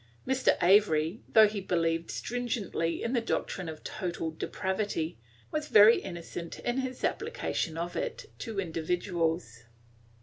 Mr. Avery, though he believed stringently in the doctrine of total depravity, was very innocent in his application of it to individuals.